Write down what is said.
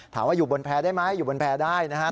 อยู่บนแพร่ได้ไหมอยู่บนแพร่ได้นะครับ